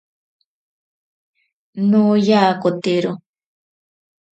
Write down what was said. Noyakotero.